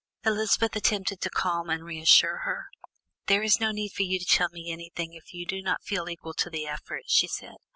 Elizabeth attempted to calm and reassure her. "There is no need for you to tell me anything if you do not feel equal to the effort," she said.